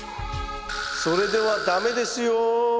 それでは駄目ですよ。